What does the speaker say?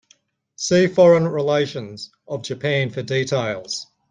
See Foreign relations of Japan for details.